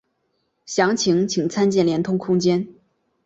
详情请参见连通空间。